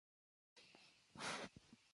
خیال کې لري.